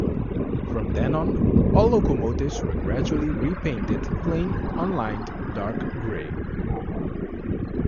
From then on, all locomotives were gradually repainted plain unlined dark grey.